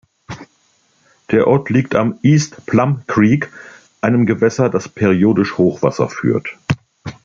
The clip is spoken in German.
Der Ort liegt am "East Plum Creek", einem Gewässer, das periodisch Hochwasser führt.